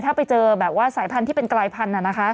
ถ้าไปเจอแบบว่าสายพันธุ์ที่เป็นกลายพันธุ์